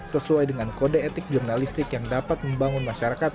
sesuai dengan kode etik jurnalistik yang dapat membangun masyarakat